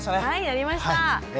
はいなりました。